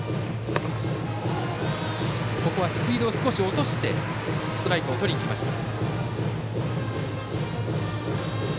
スピードを少し落としてストライクをとりにきました。